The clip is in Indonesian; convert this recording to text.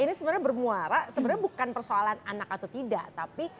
ini sebenarnya bermuara sebenarnya bukan persoalan anak atau tidak tapi